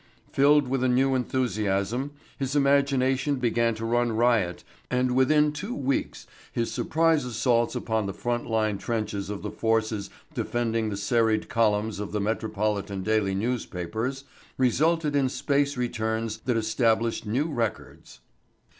Filled with a new enthusiasm his imagination began to run riot and within two weeks his surprise assaults upon the front line trenches of the forces defending the serried columns of the metropolitan daily newspapers resulted in space returns that established new records.